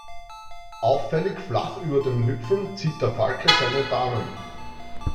Auffällig flach über den Wipfeln zieht der Falke seine Bahnen.